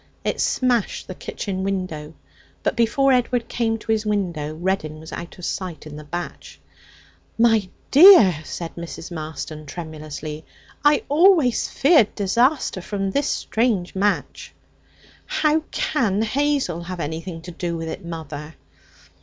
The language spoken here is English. It smashed the kitchen window. But before Edward came to his window Reddin was out of sight in the batch. 'My dear,' said Mrs. Marston tremulously, 'I always feared disaster from this strange match.' 'How can Hazel have anything to do with it, mother?'